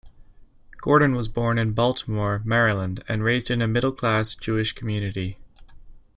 Gordon was born in Baltimore, Maryland, and raised in a middle class Jewish community.